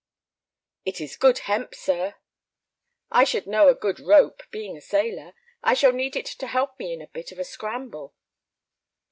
"It is good hemp, sir." "I should know a good rope, being a sailor. I shall need it to help me in a bit of a scramble."